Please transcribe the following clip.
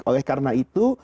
oleh karena itu